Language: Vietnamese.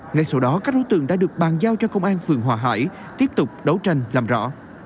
ngay sau đó các đối tượng đã được bàn giao cho công an phường hòa hải tiếp tục đấu tranh làm rõ